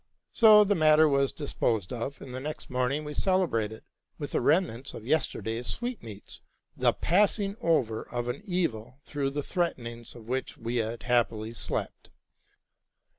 So the matter was disposed of ; and the next morning we celebrated, with the remnants of the yesterday's sweetmeats, the passing over of an evil through the threatenings of which we had happily slept..